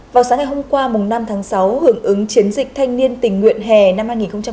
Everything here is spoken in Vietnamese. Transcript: vào sáng ngày hôm qua năm tháng sáu hưởng ứng chiến dịch thanh niên tình nguyện hè năm hai nghìn hai mươi